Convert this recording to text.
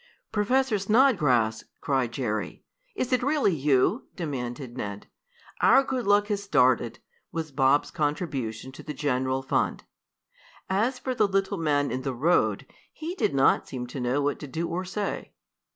"Professor Snodgrass!" cried Jerry. "Is it really you?" demanded Ned. "Our good luck has started!" was Bob's contribution to the general fund. As for the little man in the road, he did not seem to know what to do or say.